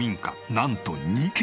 なんと２軒！